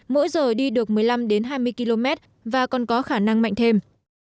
mỗi giờ đi được một mươi năm hai mươi km và còn có khả năng mạnh thêm